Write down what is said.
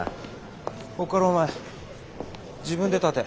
こっからお前自分で立て。